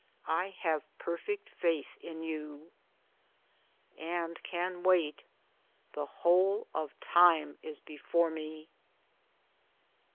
I have perfect faith in you. And can wait : the whole of Time is before me.